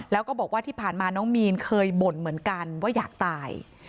แล้วก็บอกว่าที่ผ่านมาน้องมีนเคยบ่นเหมือนกันว่าอยากตาย